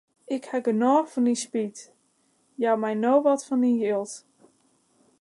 Ik haw genôch fan dyn spyt, jou my no wat fan dyn jild.